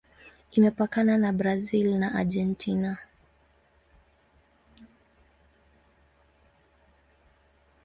Imepakana na Brazil na Argentina.